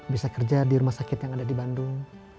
bisa kerja di rumah sakit yang ada di bandung